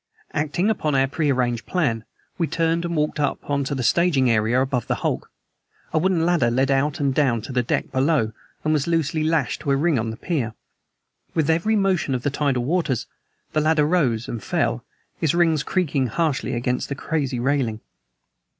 Acting upon our prearranged plan, we turned and walked up on to the staging above the hulk. A wooden ladder led out and down to the deck below, and was loosely lashed to a ring on the pier. With every motion of the tidal waters the ladder rose and fell, its rings creaking harshly, against the crazy railing.